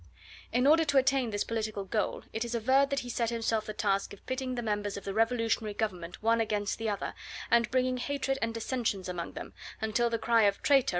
In order to attain this political goal, it is averred that he set himself the task of pitting the members of the revolutionary Government one against the other, and bringing hatred and dissensions amongst them, until the cry of "Traitor!"